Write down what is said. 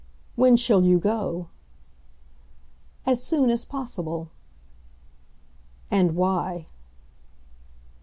"When shall you go?" "As soon as possible." "And why?"